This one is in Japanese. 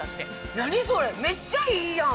何それめっちゃいいやん。